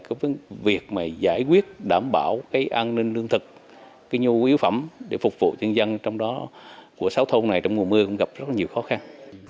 cái việc mà giải quyết đảm bảo cái an ninh lương thực cái nhu yếu phẩm để phục vụ dân dân trong đó của sáu thôn này trong mùa mưa cũng gặp rất là nhiều khó khăn